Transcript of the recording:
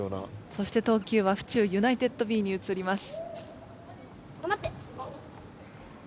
そして投球は府中ユナイテッドＢにうつります。